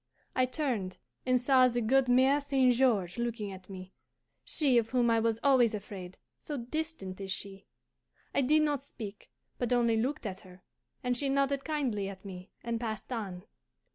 I turned and saw the good Mere St. George looking at me, she of whom I was always afraid, so distant is she. I did not speak, but only looked at her, and she nodded kindly at me and passed on.